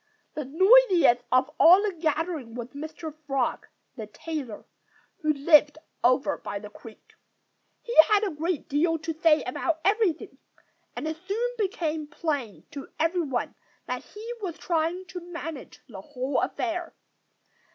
The noisiest of all the gathering was Mr. Frog, the tailor, who lived over by the creek. He had a great deal to say about everything; and it soon became plain to everyone that he was trying to manage the whole affair.